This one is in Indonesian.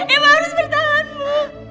ibu harus bertahanmu